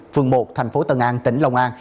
phường một thành phố tân an tỉnh long an